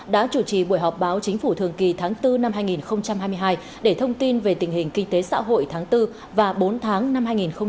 đã chủ trì buổi họp báo chính phủ thường kỳ tháng bốn năm hai nghìn hai mươi hai để thông tin về tình hình kinh tế xã hội tháng bốn và bốn tháng năm hai nghìn hai mươi ba